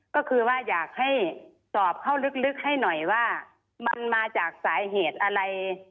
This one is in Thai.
ก็คือว่าอยากให้สอบเข้าลึกให้หน่อยว่ามันมาจากสาเหตุอะไร